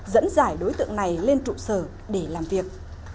dẫn dải đối tượng này lên trụ sở để làm việc